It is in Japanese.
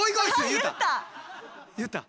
言った。